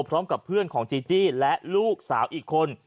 พร้อมกับเพื่อนของจีจี้และลูกสาวอีกคน